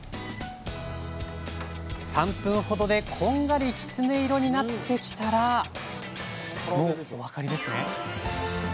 ３分ほどでこんがりキツネ色になってきたらもうお分かりですね？